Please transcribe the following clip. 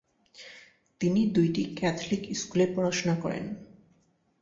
তিনি দুইটি ক্যাথলিক স্কুলে পড়াশোনা করেন।